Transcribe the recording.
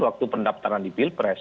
waktu pendaptaran di pilpres